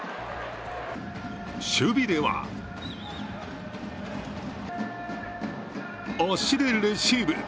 守備では足でレシーブ。